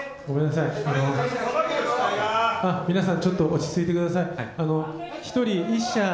さばけよ、皆さん、ちょっと落ち着いてください。